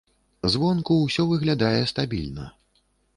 Звонку ўсё выглядае стабільна.